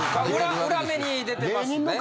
裏目に出てますね。